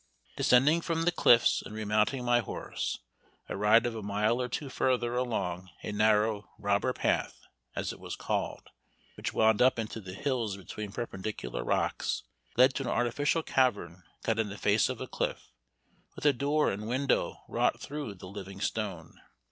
Descending from the cliffs and remounting my horse, a ride of a mile or two further along a narrow "robber path," as it was called, which wound up into the hills between perpendicular rocks, led to an artificial cavern cut in the face of a cliff, with a door and window wrought through the living stone.